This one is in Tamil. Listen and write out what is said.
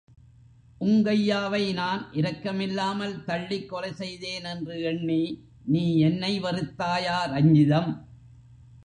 உங்கய்யாவை நான் இரக்கமில்லாமல் தள்ளிக் கொலை செய்தேன் என்று எண்ணி நீ என்னை வெறுத்தாயா, ரஞ்சிதம்?